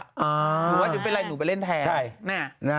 อยู่ไหวดูเป็นไรหนูไปเล่นแทน